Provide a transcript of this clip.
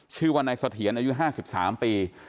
ชื่อวันนายสัทเฮียนอายุ๕๓ปี